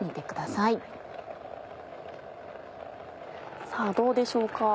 さぁどうでしょうか？